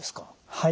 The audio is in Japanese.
はい。